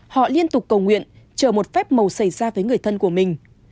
họ liên tục cầu nguyện chờ một phép màu xảy ra với người thân của mình